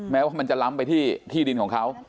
แม้ว่ามันจะล้ำไปที่ที่ดินของเขา